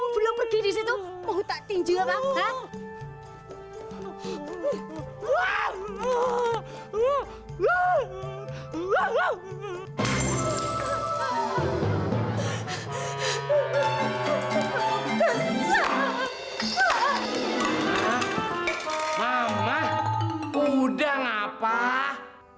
belum pergi di situ mau tak tinjau pak